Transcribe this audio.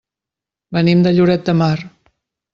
Venim de Lloret de Mar.